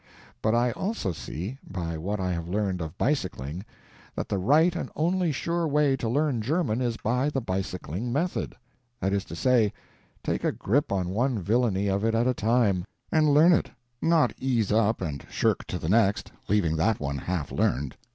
But I also see, by what I have learned of bicycling, that the right and only sure way to learn German is by the bicycling method. That is to say, take a grip on one villainy of it at a time, and learn it—not ease up and shirk to the next, leaving that one half learned.